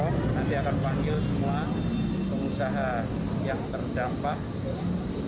nanti akan panggil semua pengusaha yang terdampak